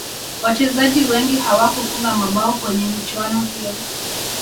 wachezaji wengi hawakufunga mabao kwenye michuano hiyo